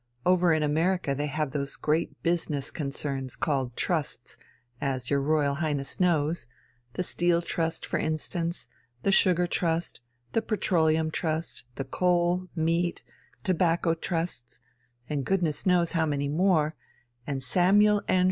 Over in America they have those great business concerns called Trusts, as your Royal Highness knows the Steel Trust for instance, the Sugar Trust, the Petroleum Trust, the Coal, Meat, and Tobacco Trusts, and goodness knows how many more, and Samuel N.